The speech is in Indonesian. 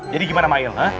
jadi gimana mail